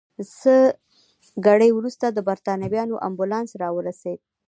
څه ګړی وروسته د بریتانویانو امبولانس راورسېد.